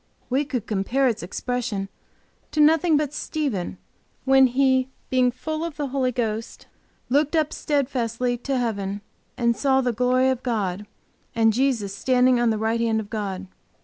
We could compare its expression to nothing but Stephen, when he, being full of the Holy Ghost, looked up steadfastly to heaven and saw the glory of God, and Jesus standing on the right hand of God.